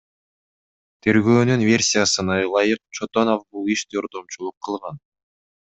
Тергөөнүн версиясына ылайык, Чотонов бул иште ортомчулук кылган.